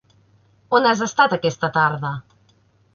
On has estat aquesta tarda?